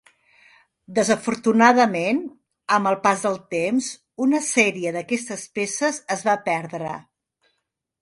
Desafortunadament, amb el pas del temps, una sèrie d'aquestes peces es va perdre.